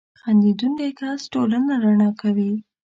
• خندېدونکی کس ټولنه رڼا کوي.